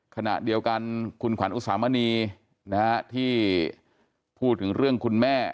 ขณะเดียวกันคุณขวัญอุสามณีที่พูดถึงเรื่องคุณแม่